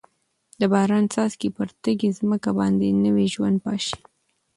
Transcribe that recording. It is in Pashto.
د باران څاڅکي پر تږې ځمکه باندې نوي ژوند پاشي.